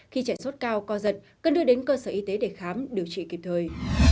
khi trẻ sốt cao co giật cần đưa đến cơ sở y tế để khám điều trị kịp thời